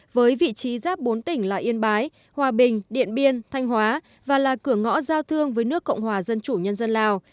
với vị trí giáp bốn tỉnh là yên bái hòa bình điện biên thanh hóa và là cửa ngõ giao thương với nước cộng hòa dân chủ nhân dân lào